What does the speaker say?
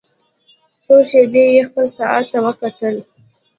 څو شېبې يې خپل ساعت ته وکتل.